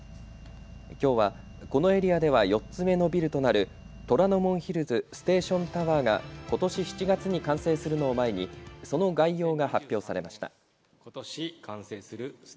きょうはこのエリアでは４つ目のビルとなる虎ノ門ヒルズステーションタワーがことし７月に完成するのを前にその概要が発表されました。